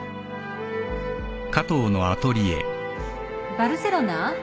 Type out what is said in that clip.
バルセロナ？